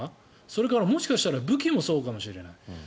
それから、もしかしたら武器もそうかもしれない。